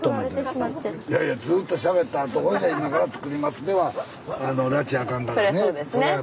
いやいやずっとしゃべったあとじゃ今から作りますではらち明かんのでね。